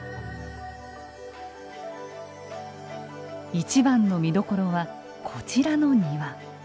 一番の見どころはこちらの庭。